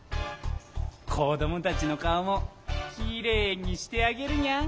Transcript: こどもたちのかおもきれいにしてあげるにゃん。